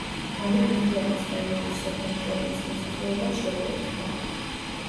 მალე გურჯაანის რაიონის სოფელ ჭერემის მოსახლეობაც შეუერთდა.